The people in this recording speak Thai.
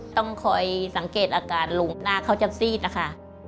ต้องคอยสังเกตอาการลุงหน้าเขาจะซีดนะคะ